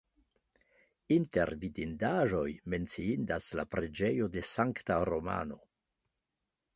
Inter vidindaĵoj menciindas la preĝejo de Sankta Romano.